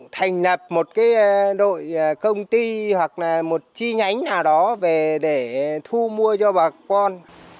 thành lập một đội công ty hoặc là một chi nhánh nào đó về để thu mua cho bà con